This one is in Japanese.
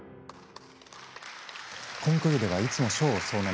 コンクールではいつも賞を総なめ。